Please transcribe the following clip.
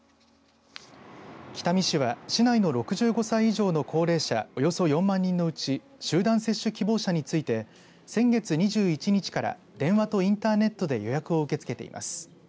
北見市は市内の６５歳以上の高齢者およそ４万人のうち集団接種希望者について先月２１日から電話とインターネットで予約を受け付けています。